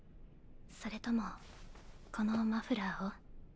それともこのマフラーを？